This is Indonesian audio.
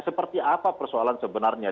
seperti apa persoalan sebenarnya